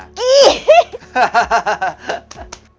กี้